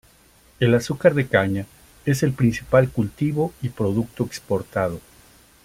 El azúcar de caña es el principal cultivo y producto exportado.